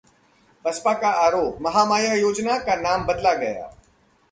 बसपा का आरोप, 'महामाया योजना' का नाम बदला गया